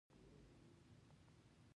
رور، رور، رور اولګوو